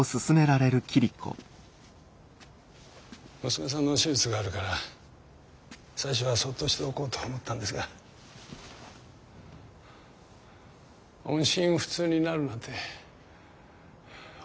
娘さんの手術があるから最初はそっとしておこうと思ったんですが音信不通になるなんておかしくないですか？